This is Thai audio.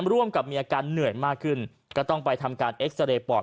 ร่วมกับมีอาการเหนื่อยมากขึ้นก็ต้องไปทำการเอ็กซาเรย์ปอด